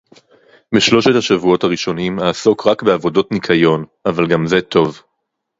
בשלושת השבועות הראשונים אעסוק רק בעבודות ניקיון, אבל גם זה טוב.